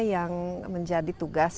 yang menjadi tugas